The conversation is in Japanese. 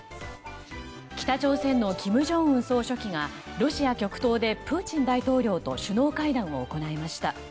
北朝鮮の金正恩総書記がロシア極東でプーチン大統領と首脳会談を行いました。